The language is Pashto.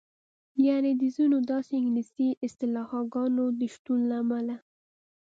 یعنې د ځینو داسې انګلیسي اصطلاحګانو د شتون له امله.